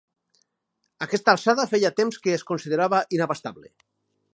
Aquesta alçada feia temps que es considerava inabastable.